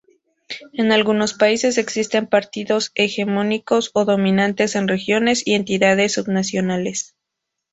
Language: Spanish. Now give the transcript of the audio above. En algunos países existen partidos hegemónicos o dominantes en regiones y entidades subnacionales.